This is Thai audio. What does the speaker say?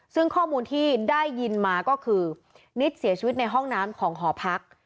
ซึ่งข้อมูลที่ได้ยินมาก็คือนิดเสียชีวิตในห้องน้ำของหอพัก